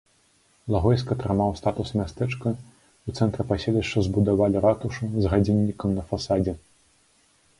Лагойск атрымаў статус мястэчка, у цэнтры паселішча збудавалі ратушу з гадзіннікам на фасадзе.